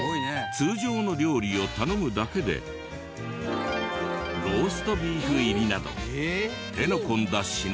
通常の料理を頼むだけでローストビーフ入りなど手の込んだ品